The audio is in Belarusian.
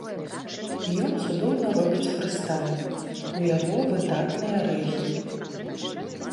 Ён цудоўна робіць фрыстайл, у яго выдатнае рэгі.